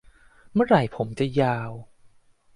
เมื่อไหร่ผมจะยาว